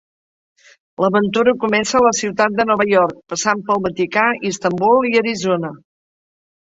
L'aventura comença a la ciutat de Nova York, passant pel Vaticà, Istanbul i Arizona.